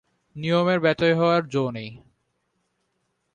নিয়মের ব্যত্যয় হবার জো নেই।